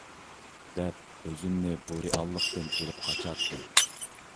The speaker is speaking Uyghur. دەپ ئۆزۈمنى بۇ رېئاللىقتىن ئېلىپ قاچاتتىم.